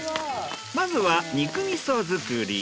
まずは肉味噌作り。